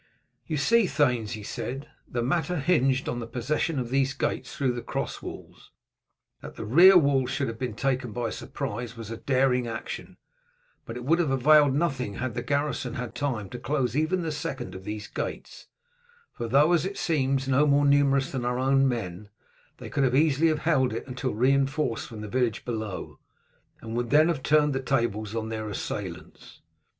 "You see, thanes," he said, "the matter hinged on the possession of these gates through the cross walls. That the rear walls should have been taken by surprise was a daring action, but it would have availed nothing had the garrison had time to close even the second of these gates; for though, as it seems, no more numerous than our men, they could have easily held it until reinforced from the village below, and would then have turned the tables on their assailants.